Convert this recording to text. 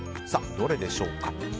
どれでしょうか。